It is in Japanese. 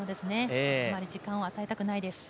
あまり時間を与えたくないです。